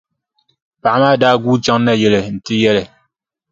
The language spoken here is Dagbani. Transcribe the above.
Paɣa maa daa guui chaŋ nayili n-ti yɛli.